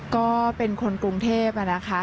ก็เป็นคนกรุงเทพนะคะ